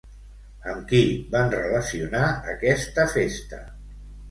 Amb qui van relacionar aquesta festa?